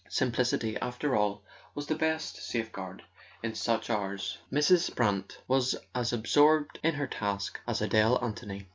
Simplicity, after all, was the best safeguard in such hours. Mrs. Brant was as absorbed in her task as Adele Anthony.